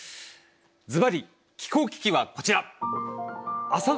ずばり気候危機はこちら。